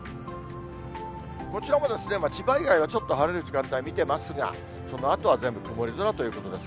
こちらも千葉以外はちょっと晴れる時間帯見てますが、そのあとは全部曇り空ということです。